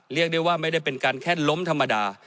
เรียกได้ว่าไม่ได้เป็นการแค่ล้มธรรมดา